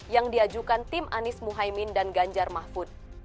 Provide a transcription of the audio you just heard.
yang diajukan tim anies muhaymin dan ganjar mahfud